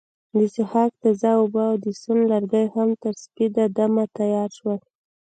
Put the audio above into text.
د څښاک تازه اوبه او د سون لرګي هم تر سپیده دمه تیار شول.